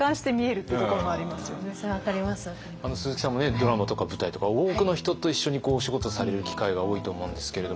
ドラマとか舞台とか多くの人と一緒にお仕事される機会が多いと思うんですけれど。